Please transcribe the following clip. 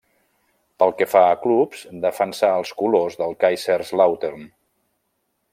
Pel que fa a clubs, defensà els colors de Kaiserslautern.